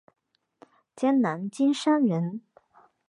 江南金山人。